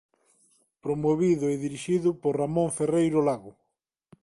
Promovido e dirixido por Ramón Ferreiro Lago.